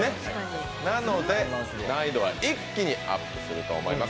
なので、難易度は一気にアップすると思います。